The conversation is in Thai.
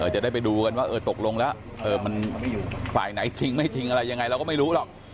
จะได้ไปดูกันว่าตกลงแล้วมันฝ่ายไหนจริงไม่จริงอะไรยังไงเราก็ไม่รู้หรอก